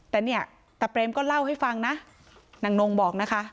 แต่เนี่ยตาเปรมก็เล่าให้ฟังนะนางนงบอกนะคะ